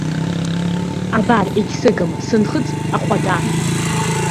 Абар, егьсыгым, сынхыҵп ахәада.